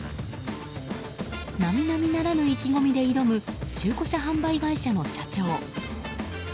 並々ならぬ意気込みで挑む中古車販売会社の社長。